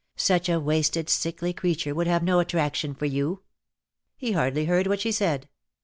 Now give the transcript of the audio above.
Such a wasted sickly creature would have no attraction for you." He hardly heard what she said.